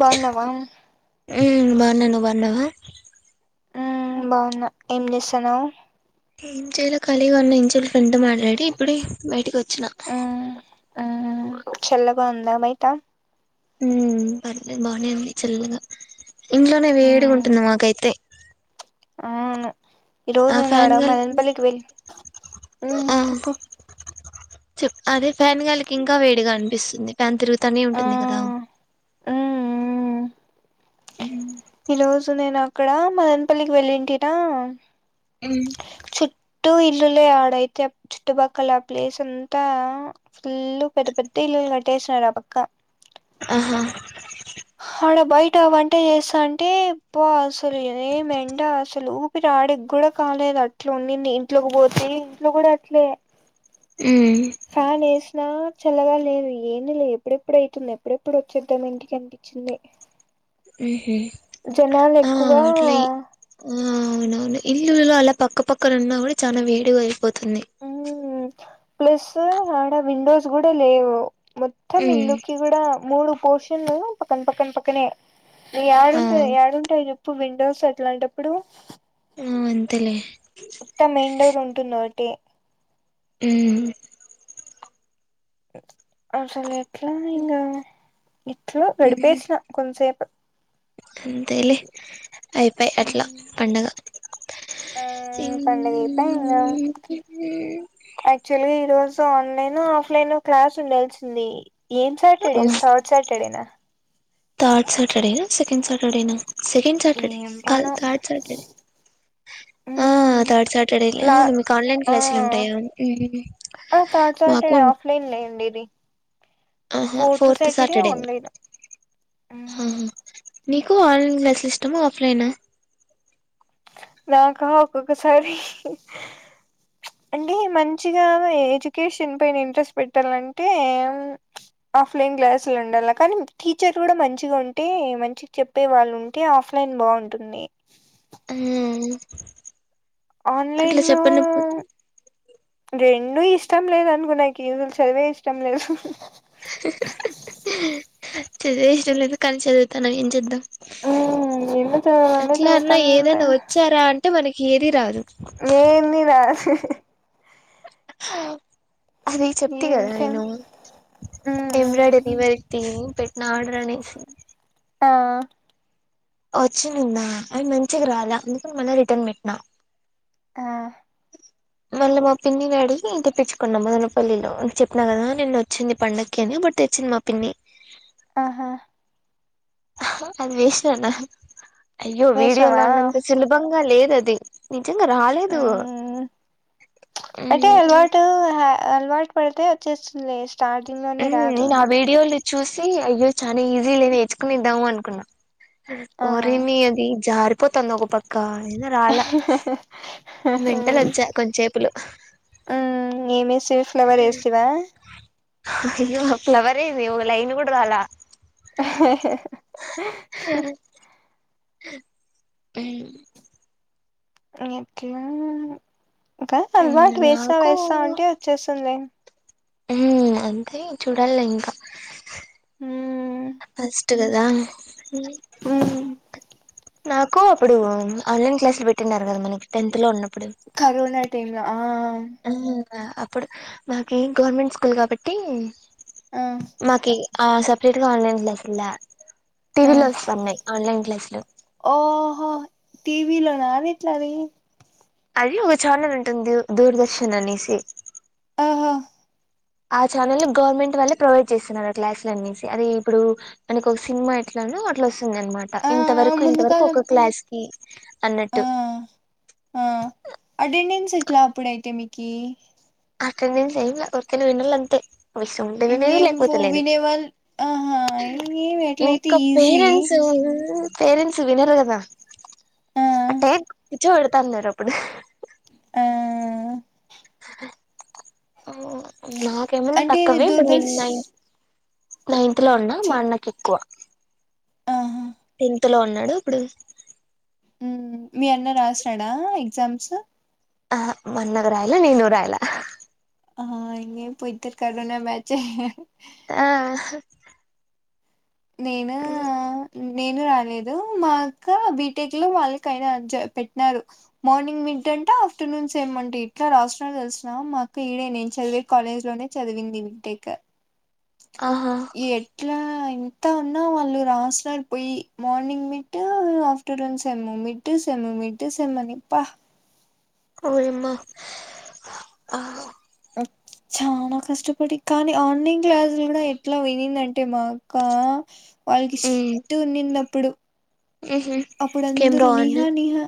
బాగున్నావా ఊ బన్నా ను బాన్నావ ఊ బాగున్నా ఏం చేసనవ్ ఏం చేయలే కలిగా ఉన్న ఇంచేపు ఫ్రెండ్ తో మాట్లా రెడీ ఇప్పుడే బయటికి వచ్చిన ఆ చల్లగా ఉందా బయటా ఉ పర్లేదు బాగునే అండి చల్లగా ఇంట్లోనే వేడిగా మ్మ్ ఉంటుంది మాకైతే అవును ఈ రోజు ఆ నేను ఆడ ఫ్యాన్ గాలి మలనపల్లికి వెళ్ళి చేప్ అదే ఫ్యాన్గాలికి ఇంకా వేడిగా అనిపిస్తుంది ఫ్యాన్ తిరుగుతానే ఉంటుంది కదా ఆ ఉమ్ ఈ రోజు నేను అక్కడ మదనపల్లికి వెళ్ళింటినా ఉమ్మ్ చుట్టూ ఇల్లులే ఆడైతే చుట్టుపక్కల ఆ ప్లేస్ అంతా ఫుల్ పెద్ద పెద్ద ఇల్లులునాయ్. చేసినారుఆపక్క ఆహా హడ బై ఇంట వంట చేస్తా అంటే పో అసలు ఏ మెండ అసలు ఊపి రాడకి కూడా కాలేదు అట్లా ఉండింది ఇంట్లోకి పోతే ఇంట్లో కూడా అట్లే ఊ ఫ్లోర్ చల్లగా లేదు ఎందీలే ఎప్పుడెప్పుడైతుంది ఎప్పుడెప్పుడు వచ్చేద్దాం ఇంటికి అనిపించింది. ఉహు జనాలు ఆ ఎక్కువా అట్లా ఈ- ఆ అవునవును ఇల్లులలో అలా పక్కపక్కన ఉన్నా కూడా చానా వేడిగా అయిపోతుంది ఉమ్ ప్లస్సు ఆడ విండోస్ కూడా లేవు. మొత్తం ఉమ్ ఇల్లుకి కూడా మూడు పోష కొన్నిల్లు [unintelligible] పక్కన పక్కన పక్కనే ఆ ఏడుంటాయి ఏడుంటాయి చెప్పు విండోస్ అట్లాంటప్పుడు. ఊ అంతేలే టె ఉమ్మ్ అసలు ఎట్లా ఇంగ ఇట్లు ఉహు గడిపేసినా కొంసేపు అంతేలే అయిపోయే అట్లా పండగ ఆ పండుగీకా యాక్చువల్లి ఈరోజు తో ఆన్లైన్ ఆఫ్ లైన్ క్లాస్ ఉండాల్సింది. ఏమ్ సాటర్డే థార్డ్ సాటర్డేనా థర్డ్ సటర్డే సెకండ్ సటర్డేనా సెకండ్ సాటర్డే ఏం కాదు పాడో థర్డ్ సాటర్డే ఆ మ్ థర్డ్ సాటర్డే లా అవును మీకు ఆన్లైన్ ఆ క్లాసులు ఉంటాయా ఉమ్ ఆ థర్డ్ మాకు సాటర్డే ఆఫ్లైన్ లే ఉండేది ఆహ ఫోర్త్ సాటర్డే ఇంక మ్మ్ హ నీకు ఆన్లైన్ క్లాస్ లు ఇష్టమా ఆఫ్లైనా నాకా ఒక్కొక్కసారి అంటే మంచిగా ఎడ్యుకేషన్ పైన ఇంట్రెస్ట్ పెట్టాలంటే ఆఫ్లైన్ క్లాసులు ఉండాల కానీ టీచర్ కూడా మంచిగా ఉంటే మంచిగా చెప్పే వాళ్ళు ఉంటే ఆఫ్లైన్ బాగుంటుంది. వూమ్మ్ ఆన్లైన్ లో రెండూ ఇష్టం లేదు అనుకో నాకి ఈరోజులు చదివే ఇష్టం లేదు. చదువే ఇష్టం లేదు కానీ చదువుతాన్నాం ఏం చేద్దాం ఉమ్ ఎన్న చదవాలంటే అట్లా అన్నా చదువుతానంటే ఏదైనా వచ్చారా అంటే మనకి హేరిరాారు నేన్ని నాసి అది ఈ చెప్తే కదా విషయం నేను ఎంబ్రాయిడరీ వరిటి పెట్టిన ఆర్డర్ అనేసి ఆ వచ్చినుందా అవి మంచిగా రాలా అందుకని మళ్ళ రిటర్న్ పెట్టినా ఆ మళ్ళీ మా పిన్నిని అడిగి తెప్పచ్చుకున్నాం మొదనపల్లిలో చెప్పిన కదా నేను వచ్చింది పండక్కి అని బట్టి తెచ్చింది మా పిన్ని ఆహా అది విష అన్న అయ్యో వీడియోల్ వేసినవా అన్నంత సిల్ బంగ్ లేదది నిజంగా రాలేదు ఉమ్ అంటే అలవాటు అలవాటు పడితే వచ్చేస్తుంది స్టార్టింగ్ హ లోనే న రాదు నా ఆ వీడియోలి చూసి అయ్యో చాలా ఈజీ లేేచుకునిద్దాము అనుకున్నా పరని అది జార్ పతంద ఒక పక్క అయినా రాల ఆహా వెంటలు వచ్చా కొంచే పలు ఆ ఏమిే చిలీ ఫ్లేవర్ వేస్తవా ఇ ఫ్లవర్ ఇది లైన్ కుడదాల అ ఎక ఇంకా అలవాటు వేస్తా నాకు వేస్తా ఉంటే వచ్చేస్తుంది హ్మ్ అంతే చూడాల్ల ఇంకా హ్మ్ అస్ట్ కదా మ్మ్ నాక్ కొ అప్పుడు ఆన్లైన్ క్లాసులు పెట్టినన్నారు కదా మనకి టెన్త్ లో ఉన్నప్పుడు కరోనా టైమ్ లో ఆ ఆ ఇప్పుడు నాకి గవర్నమెంట్ స్కూల్ కాబట్టి ఆ మాకి ఆ సెపరేట్ గా ఆన్లైన్ క్లాస్ యిన్ల ఆ టీవీలో వస్తున్నాయ్ ఆన్లైన్ క్లాస్ లు వీలోనా వీట్లా వి అది ఒక ఛానల్ ఉంటుంది దూరదర్శన్ అనేసి అ ఆ ఛానల్ లో గవర్నమెంట్ వాళ్ళే ప్రొవైడ్ చేస్తున్నారు ఆ క్లాసులనేసి అది ఇప్పుడు మనకొక సినిమా ఎట్లానో అట్లొస్ ఇందన్మాట ఆ ఇంత ఆ వరకు ఇంతవరకు ముందుకాలం ఒక క్లాస్ కి ఆ అన్నట్టు ఆ అటెండెన్స్ ఎట్లా అప్పుడయితే మీక్ కీ అటెండెన్సు వేయలా ఒరికె వినాల అంతే విషముంటే వినేది లేకపోతే ఇంకేమో లేదు వినేవాళ్ళు ఆహా ఇంగేం ఎట్లయితే ఇంకా ఈజీ పేరెంట్సు ఉ పేరెంట్స్ వినరు కదా ఆ అట్టే కూర్చో పెడతాన్నారు అప్పుడు ఆ ఓ నాక్ కేమనా అంటే ఇది తక్కువే నీ న్ దూరదర్శ్ నై నైన్త్ లో ఉన్నా చ్ మా అన్నకు ఎక్కువ ఆహా మ్మ్ మీ అన్న రాస్నాడ ఎగ్జామ్స్ అహ మన్నగరయిలా నేను రాయలా ఆ ఇంగేం పో ఇద్దర్ కరోనా బ్యాచే ఆ నేను మ్మ్ నేను రాలేదు మా అక్క బీటెక్ లో వాళ్ళకయినా జ పెట్నారు మార్నింగ్ మిడ్ అంట ఆఫ్టర్నూన్ సెమ్ అంట ఇట్లా రాస్నార్ తెల్స్ నా మా అక్క ఈడే నేను చదివే కాలేజ్ లోనే చదివింది బీటెక్ ఆహా ఎట్లా అయిన్ ఎతా అన్నా వాళ్ళు రాస్నర్ పొయ్యి మార్నింగ్ మిట్టు ఆఫటర్నూన్ సెమ్ము మిట్టు సెమ్ము మిడ్డు సెమ్ అని ప్ప ఓయమ్మ చానా కష్టపడి కానీ ఆన్లైన్ క్లాసులు కూడా ఎట్లా వినిందంటే మా అక్క వాళ్ళకి మ్మ్ స్ట్రిక్ట్ గునిందప్పుడు మ్హూ అప్పుడు ఇంకేం అందరూ రావు అన్న నిహా నిహా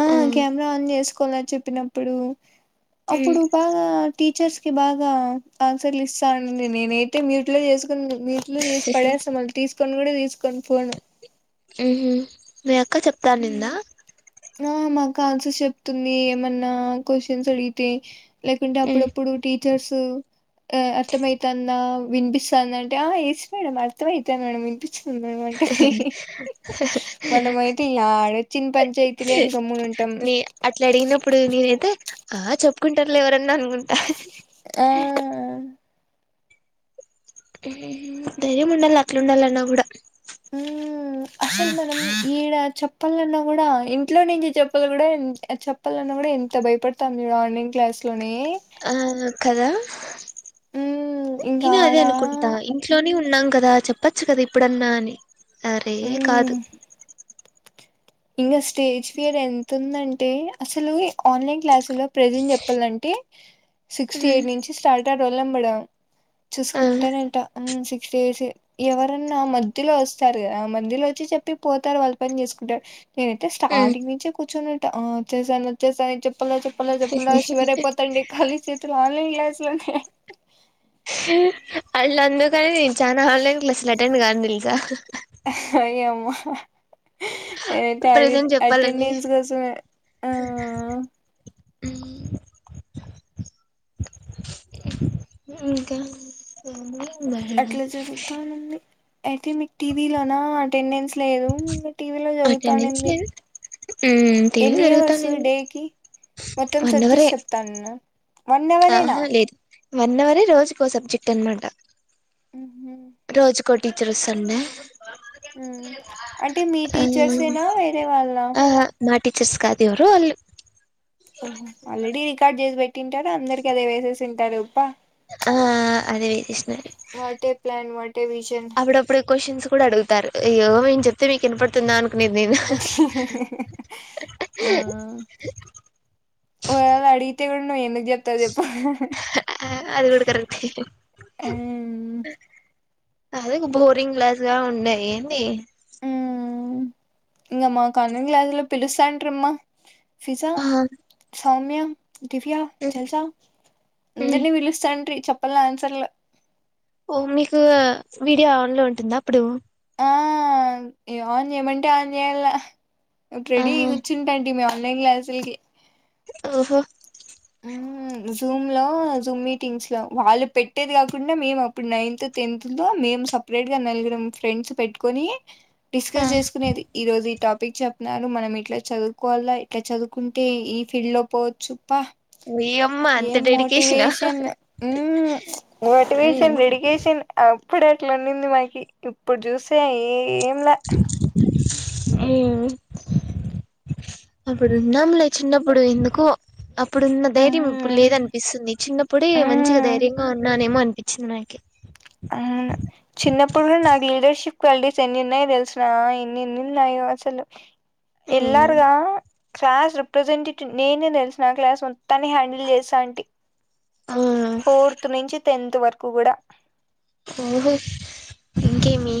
ఆ కెమెరా ఆన్ చేసుకు కొందర్ చెప్పినప్పుడు అప్పుడు బాగా టీచర్స్ బాగా ఆన్సర్లు ఇస్తా అనింది నేనయితే మ్యూట్లో చేసుకు కున్ నీట్లు తీసి పడేస మల్ తీసు కొన్ని గూడ తీస్ మ్మ్ హు [unintelligible] ఇక్క చెప్తారు నింద ఆ మాకు ఆన్సర్స్ చెప్తుంది ఏమన్నా క్వశ్చన్స్ అడిగితే లేకుంటే మ్మ్ అప్పుడప్పుడు టీ వచేసి అర్థం అవుతుంద వినిపిస్తాంద అంటే ఆ ఎస్ మేడం అర్థం అవుతంది మేడమ్ మనము ఐతే గమ్మునుంటాం నే అట్లా అడిగినప్పుడు నేనైతే ఆ చెప్పుకుంటారులే ఎవరన్నా అనుకుంటా ఆ మ్ ధైర్యం ఉండాలి అట్లా ఉండాలన్నా కూడా మ్ అసలు మనం ఈడ చెప్పాలన్నా కూడా ఇంట్లో నుంచి చెప్పలు కూడా చెప్పాలన్నా కూడా ఎంత భయపడతాం చూడు ఈ ఆన్లైన్ క్లాస్ లో ఆ కదా మ్మ్ ఇంకా నేను అదే ఆడ అనుకుంటా ఇంట్లోనే ఉ న్నాం కదా చెప్పచ్చు కదా ఇప్పుడన్నా అని అరె కాదు ఇంకా స్టేజ్ ఫియర్ ఎంత ఉందంటే అసలు ఆన్లైన్ క్లాస్ లో ప్రెసెంట్ ప్పలంటే సిక్స్టీ ఎయిట్ నుంచి స్టార్ట్ త రోల్ నెంబడా ఆ చూసుకుంటేనట మంచి సిక్స్ డేస్ ఎవరన్నా మధ్యలో వస్తారు కదా ఆ మధ్యలో వచ్చి చెప్పి పోతారు వాళ్ళు పని చేసుకుంటారు నేనైతే స్టార్టింగ్ నుంచే కూర్చుని అచేస అచేస చెప్ప చెప్పలే చెప్పలే శవరైపోతాం ాళీ చేతులు ఆన్లైన్ క్లాస్ చల్తే అళ్ళ అన్న కానీ నే చాలా ఆన్లై క్లాసులు అటెండ్ కాను ఇంకా అయ్యో అమ్మా అంత ప్రజెంట్ చెప్పాలని అటెండెన్స్ కోసమే ఇంకా అట్లా జరుగుతానండి అయితే మీకు టీవీ లోనా అటెండెన్స్ లేదు టీవీలో అటెండెన్స్ జరుగుతానింది లేదు టీవీలో ఎన్ని హార్స్ జరుగుతానింది డే కి మొత్తం వన్ అవరే చర్జిస్ చెప్తానన్నారు వన్ అర్ ఏనా ఆహా లేదు వన్ అవరే రోజుకో సబ్జెక్ట్ అన్మాట రోజుకో టీచర్ వస్తారు మ్మ్ అంటే మీ ఆ టీచర్సేనా వేరే వాళ్ళ ఆహా మా టీచర్స్ కాదు ఎవరో వాళ్ళు ఓహొ ఆల్రెడి రికార్డ్ జేస్ బెట్ తింటాడు అందరికి అదే వేసేసుంటాడు ఉబ్బా ఆ అదే వెస్నా what a plan what a vision అప్పుడప్పుడు క్వసన్సు కూడా అడుగుతారు అయ్యో మేం చెప్తే మీకినపడుతుందా అను ఆ వాగ్ అడిగితే కూడ్ మో ఎందు జెప్తావ్ జెప్పు అది కూడా కరెక్టే మ్మ్ అధింగ బోరింగ్ గ్లాస్ గా ఉన్నా ఏంది మ్మ్ ఇంగ మా కన్న గ్లాస్ లో పిలుసాంట్రమ్మా ఫిజా ఆ సౌమ్య దివ్య చెలుసా అందరినీ పిలుస్తాండ్రి చప్ అప్పలా ఆన్సర్లు ఓ మీకు వీడియో ఆన్ లో ఉంటుందా అప్పుడు ఆ ఆన్ చేయమంటే ఆన్ జెయ్యల్ల అట్ రెడీ ఆహా అయి కూర్చుంటంటి మేము అన్ని గ్లాసుల్కి ఓహో మ్మ్ జూమ్ లో జూమ్ మీటింగ్స్ లో వాళ్ళు పెట్టేది కాకుండా మేము అప్పుడు నైన్త్ టెన్త్ లో మేము సపరేట్ గా నలిగరం ఫ్రెండ్స్ పెట్కొని డిస్కస్ చేసుకునేది ఈ రోజు ఈ టాప్ పిక్ చెప్న్నారు మనం ఇట్లా చదువుకోవాలా ఇట్లా చదువుకుంటే ఈ ఫీల్డ్ లో పోవచ్చు ప్ప ఓయమ్మ అంత ఏం డెడికేషనా మోటివేషన్ మ్మ్ మోటివేషన్ రెడికేషన్ అబ్ ప్పుడట్లున్నింది మాకి ఇప్పుడ్ జూసే ఏం ల మ్మ్ అప్పుడున్నాము లే చిన్నప్పుడు ఎందుకో అప్పుడున్న ధైర్యం ఇప్పుడు మ్మ్ లేద అనిపిస్తుంది చిన్నప్పుడే మంచిగా మ్మ్ ధైర్యంగా ఉన్నానమో అనిపించింది నాకి అవును చిన్నప్పుడు నాకు లీడర్షిప్ క్వాలిటీస్ ఎన్నున్నాయ్ తెల్స్నా ఎన్నిన్ని ఉన్నాయో అసలు ఎల్లారుగా క్లాస్ రిప్రజెంటేటివ్ నేనే తెలుసునా ఆ క్లాస్ మొత్తాన్ని హ్యాండిల్ చేస్తాంటి. ఆ ఫోర్త్ నుంచి తెన్ ఇంత వరకు కూడా ఓహో ఇంకే మీ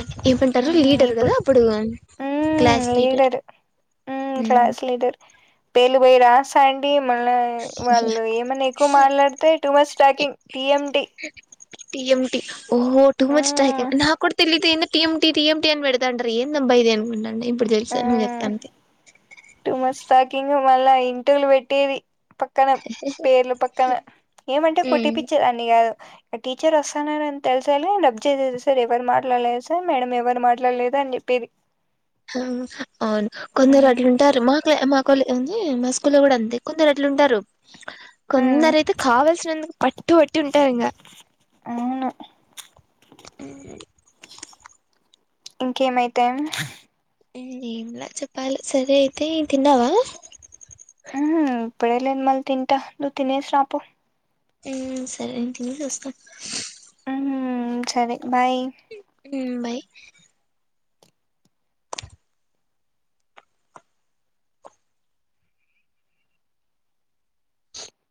ఇప్ ఏమంటారు మ్మ్ లీడర్ కదా ఇప్పుడు అప్పుడు క్లాస్ లీడర్ మ్మ్ పేలు భై రా సా అండి మల్ల వాళ్ళు ఏమన్నా ఎక్కువ మాట్లాడితే too much talking T M T ఏంటి ఓహో తుమ్ అజ్ మ్మ్ ఇత్నా కుడ్ తేలిద్ ఇన్ టిఎంటి టిఎంటి అని పెడతా అంటారు ఎందబ్బా ఇది అని అనుకుంటుండ ఇప్పుడు తెలిసి నేన్ చెప్తాంతె సాకింగ్ మళ్ళా ఇంటొల్లు పెట్టేది పక్కన పేర్లు పక్కన ఏమంటే కుట్టి పించే దాన్ని కాదు ఈ టీచర్ వస్తున్నారని తెలిసి వెళ్ళి రబ్ చేసేది సార్ ఎవరు మాట్లాడలేదు సార్ మేడం ఎవరు మాట్లాడలేదు అని చెప్పేది అవును కొందరు మ్మ్ అట్లుంటారు మాకు మాకోళ్ల ఉంది మా స్కూల్లో కూడా ఉంది కొందరు అట్లు ఉంటారు మ్మ్ కొందరు అయితే కావాల్సినందుకు పట్టు పట్టి ఉంటారు ఇంకా అవును ఉమ్ ఇంకేమైతే ఏంలే చెప్పాలి సరే అయితే తిన్నావా ఆఆ ఇప్పుడెళ్ళి మల్ తింటా నువ్వు తినేసి రా పో ఉమ్ సరే తినేసి వస్తా ఉమ్ సరే బాయ్ ఉమ్ బాయ్